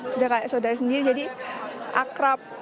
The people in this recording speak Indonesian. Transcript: sudah kayak saudara sendiri jadi akrab